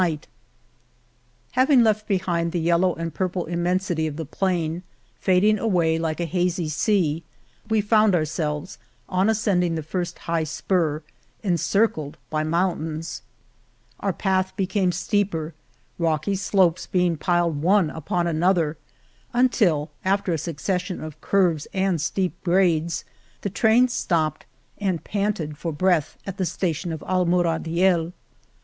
• '"J L'. T" 179 The Morena Having left behind the yellow and purple immensity of the plain, fading away like a hazy sea, we found ourselves, on ascending the first high spur, encircled by mountains. Our path became steeper, rocky slopes being piled one upon another until, after a succes sion of curves and steep grades, the train stopped and panted for breath at the wStation of Almuradiel.